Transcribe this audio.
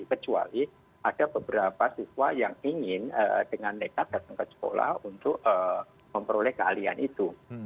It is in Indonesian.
kecuali ada beberapa siswa yang ingin dengan nekat datang ke sekolah untuk memperoleh keahlian itu